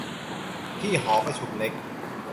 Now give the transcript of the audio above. ที่หอประชุมเล็ก